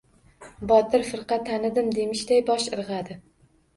Botir firqa tanidim, demishday bosh irg‘adi.